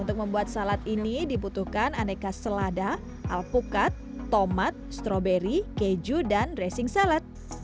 untuk membuat salad ini dibutuhkan aneka selada alpukat tomat stroberi keju dan dressing salad